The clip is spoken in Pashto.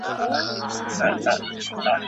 د لاسي کارونو زده کړه د ټولنې لپاره مهمه ده.